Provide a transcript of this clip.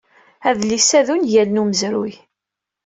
Adlis-a d ungal n umezruy.